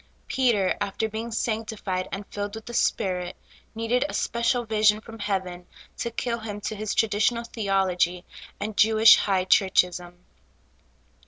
Peter, after being sanctified and filled with the Spirit, needed a special vision from heaven to kill him to his traditional theology and Jewish high churchism.